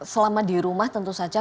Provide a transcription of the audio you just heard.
selama di rumah tentu saja